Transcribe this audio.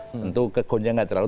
tentu kegonya tidak terlalu